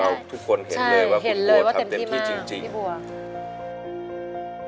เราทุกคนเห็นเลยว่าคุณบัวทำเต็มที่จริง